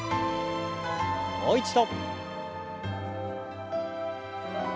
もう一度。